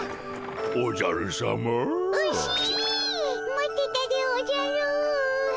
待ってたでおじゃる。